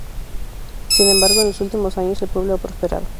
Sin embargo, en los últimos años, el pueblo ha prosperado.